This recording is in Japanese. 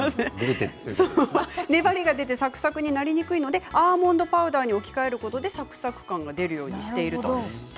粘りが出てサクサクになりにくいのでアーモンドパウダーに置き換えることでサクサク感が出るようにしているんです。